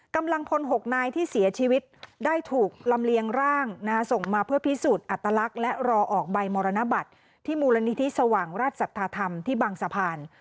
กำลังพล๖นายที่เสียชีวิตได้ถูกลำเลียงร่างส่งมาเพื่อพิสูจน์อัตลักษณ์และรอออกใบมรณบัตรที่มูลนิธิสว่างราชสัทธาธรรมที่บางสะพาน